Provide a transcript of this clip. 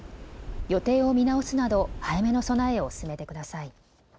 予定を見直すなど早めの備えを進めてください。